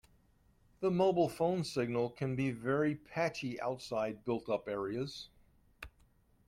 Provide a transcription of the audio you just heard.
The mobile phone signal can be very patchy outside built-up areas